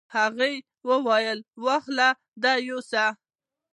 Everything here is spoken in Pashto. هغه ته یې وویل: واخله دا یوسه.